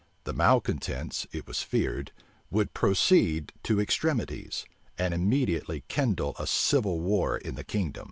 The malecontents, it was feared, would proceed to extremities, and immediately kindle a civil war in the kingdom.